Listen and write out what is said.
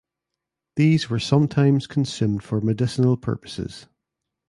These were sometimes consumed for medicinal purposes.